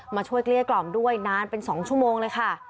ช่วยเกลี้ยกล่อมด้วยนานเป็น๒ชั่วโมงเลยค่ะ